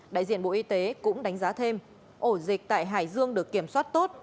đại diện bộ y tế cũng đánh giá thêm ổ dịch tại hải dương được kiểm soát tốt